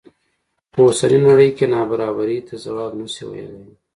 خو په اوسنۍ نړۍ کې نابرابرۍ ته ځواب نه شي ویلی.